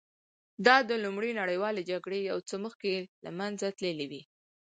دا د لومړۍ نړیوالې جګړې یو څه مخکې له منځه تللې وې